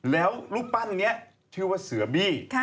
แล้วรูปปั้นนี้ชื่อว่าเสือบี้